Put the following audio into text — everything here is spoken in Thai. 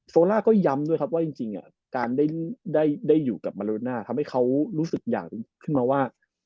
โซล่าก็ย้ำด้วยครับว่าจริงการได้อยู่กับมาริน่าทำให้เขารู้สึกอย่างหนึ่งขึ้นมาว่า